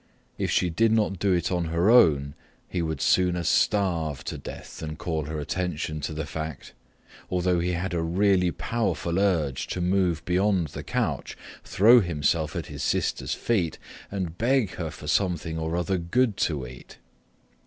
If she did not do it on her own, he would sooner starve to death than call her attention to the fact, although he had a really powerful urge to move beyond the couch, throw himself at his sister's feet, and beg her for something or other good to eat.